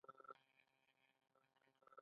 د نړی ظالم طاقت توازن نشي پټیدای.